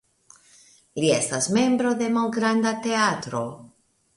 Li estas membro de malgranda teatro.